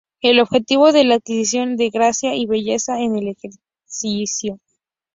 El objetivo es la adquisición de gracia y belleza en el ejercicio.